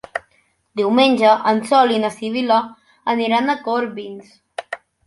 Diumenge en Sol i na Sibil·la aniran a Corbins.